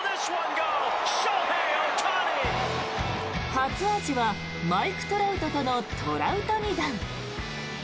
初アーチはマイク・トラウトとのトラウタニ弾。